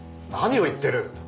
何を言ってる。